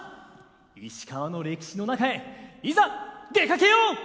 石川の歴史の中へいざ出かけよう！